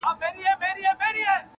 كوم اورنګ به خپل زخمونه ويني ژاړې!